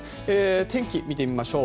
天気、見てみましょう。